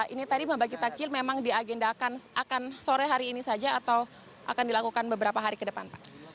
ini tadi membagi takjil memang diagendakan akan sore hari ini saja atau akan dilakukan beberapa hari ke depan pak